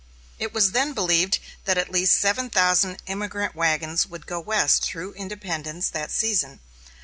It was then believed that at least seven thousand emigrant wagons would go West, through Independence, that season.